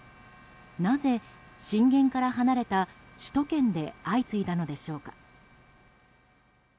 なぜ震源から離れた首都圏で相次いだのでしょうか。